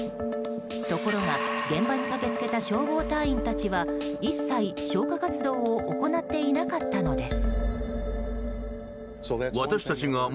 ところが現場に駆け付けた消防隊員たちは一切、消火活動を行っていなかったのです。